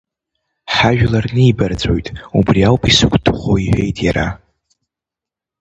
Ҳажәлар нибарҵәоит, убри ауп исыгәҭыхоу, — иҳәеит иара.